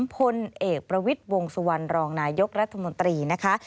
พลเอกประวิทย์วงสุวรรณรองนายกรัฐมนตรีนะคะ